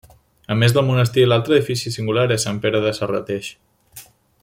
A més del monestir, l'altre edifici singular és Sant Pere de Serrateix.